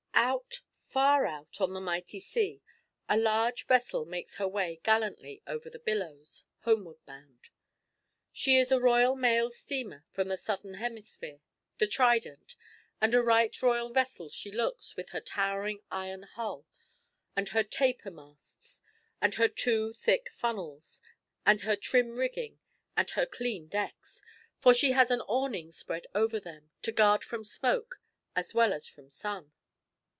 Out, far out on the mighty sea, a large vessel makes her way gallantly over the billows homeward bound. She is a Royal Mail steamer from the southern hemisphere the Trident and a right royal vessel she looks with her towering iron hull, and her taper masts, and her two thick funnels, and her trim rigging, and her clean decks for she has an awning spread over them, to guard from smoke as well as from sun.